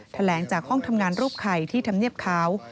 หลังจากห้องทำงานรูปไข่ที่ทำเนียบขาว